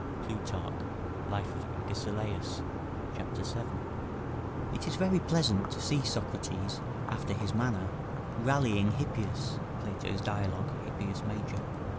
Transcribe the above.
[Plutarch, Life of Agesilaus, c. 7.] It is very pleasant to see Socrates, after his manner, rallying Hippias, [Plato's Dialogues: Hippias Major.